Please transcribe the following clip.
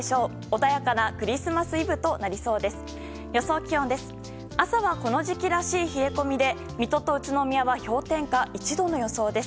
穏やかなクリスマスイブとなりそうです。